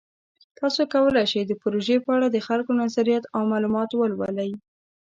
تاسو کولی شئ د پروژې په اړه د خلکو نظریات او معلومات ولولئ.